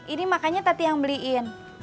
ini makanya tati yang beliin